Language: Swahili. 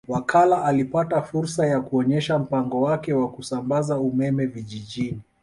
Wakala alipata fursa ya kuonesha mpango wake wa kusambaza umeme vijijini